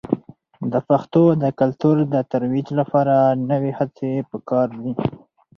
د پښتو د کلتور د ترویج لپاره نوې هڅې په کار دي.